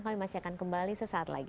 kami masih akan kembali sesaat lagi